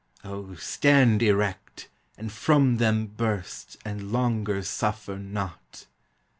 O, stand erect, and from them burst, And longer suffer not.